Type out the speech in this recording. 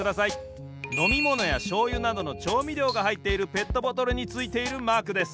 のみものやしょうゆなどのちょうみりょうがはいっているペットボトルについているマークです。